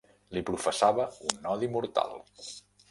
Li professava un odi mortal.